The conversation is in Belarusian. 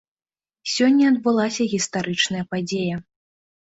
Сёння адбылася гістарычная падзея.